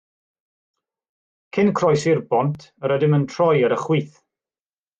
Cyn croesi'r bont yr ydym yn troi ar y chwith.